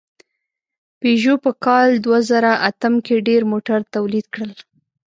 پيژو په کال دوهزرهاتم کې ډېر موټر تولید کړل.